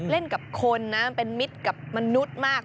เล่นกับคนนะเป็นมิตรกับมนุษย์มาก